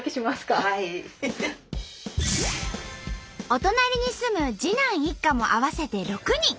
お隣に住む次男一家も合わせて６人。